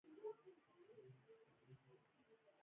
د بې لوظۍ غږ دې له هر یو حد نه تېر کړمه زه